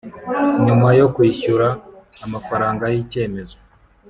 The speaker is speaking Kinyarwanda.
Nyuma yo kwishyura amafaranga y icyemezo